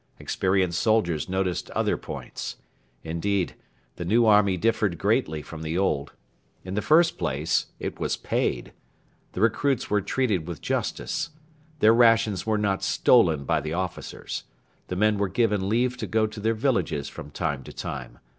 Experienced soldiers noticed other points. Indeed, the new army differed greatly from the old. In the first place, it was paid. The recruits were treated with justice. Their rations were not stolen by the officers. The men were given leave to go to their villages from time to time.